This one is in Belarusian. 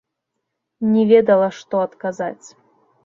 Не ведала, што адказаць.